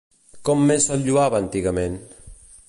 Com més se'l lloava antigament?